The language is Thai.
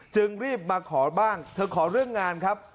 จึงรีบมาขอบ้างเธอขอเรื่องงานครับ